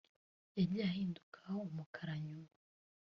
yagiye ahinduka umukara nyuma